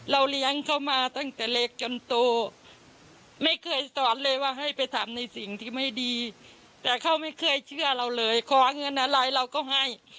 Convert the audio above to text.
เลี้ยงเขามาตั้งแต่เล็กจนโตไม่เคยสอนเลยว่าให้ไปทำในสิ่งที่ไม่ดีแต่เขาไม่เคยเชื่อเราเลยขอเงินอะไรเราก็ให้